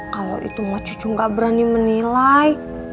kalau itu mah cucu gak berani menilai